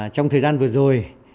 trong thời gian vừa rồi